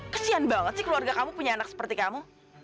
kesian banget sih keluarga kamu punya anak seperti kamu